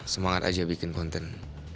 semangat aja bikin content